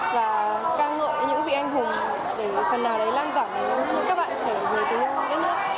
và ca ngợi những vị anh hùng để phần nào đấy lan tỏa với các bạn trở về tối hôm đất nước